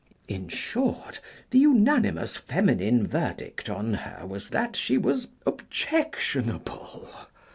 In short, the unanimous feminine verdict on her was that she was objectionable.